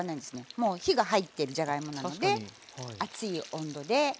もう火が入ってるじゃがいもなので熱い温度で。